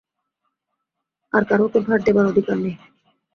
আর কারোকে ভার দেবার অধিকার নেই।